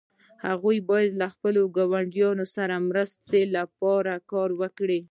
هغوی باید له خپلو ګاونډیو سره مرستې لپاره کار وکړي.